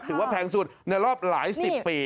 ถือว่าแพงสุดในรอบหลายสิบปี